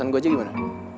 uusan gue aja gimana